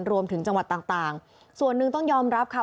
รวมถึงจังหวัดต่างส่วนหนึ่งต้องยอมรับค่ะ